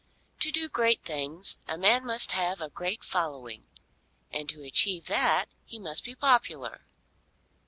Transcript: To do great things a man must have a great following, and to achieve that he must be popular.